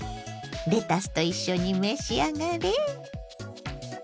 レタスと一緒に召し上がれ。